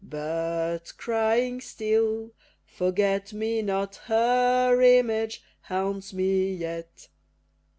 But, crying still, "Forget me not," Her image haunts me yet.